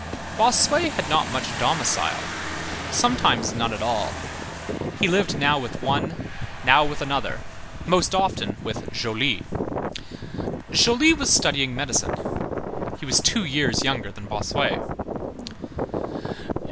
Bossuet had not much domicile, sometimes none at all. He lodged now with one, now with another, most often with Joly. Joly was studying medicine. He was two years younger than Bossuet.